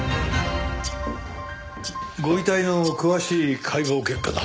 ご遺体の詳しい解剖結果だ。